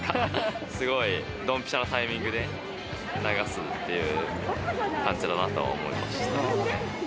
すごいドンピシャなタイミングで流すっていう感じだなとは思いました。